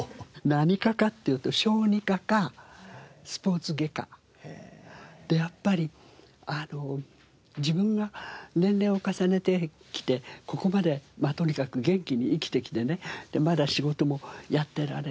何科かっていうとやっぱり自分が年齢を重ねてきてここまでとにかく元気に生きてきてねまだ仕事もやってられる。